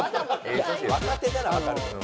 若手ならわかるけど。